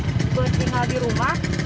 lupa ke tinggal di rumah